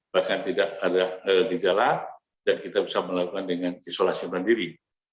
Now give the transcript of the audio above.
bahkan tidak ada gejala dan kita bisa melakukan dengan isolasi mandiri